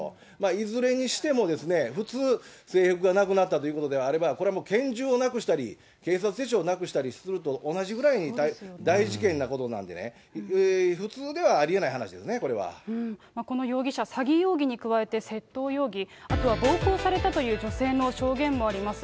いずれにしても普通、制服がなくなったということであれば、これはもう、拳銃をなくしたり警察手帳をなくしたりするのと同じぐらいに大事件なことなんでね、普通ではありえない話ですね、この容疑者、詐欺容疑に加えて、窃盗容疑、あとは暴行されたという女性の証言もあります。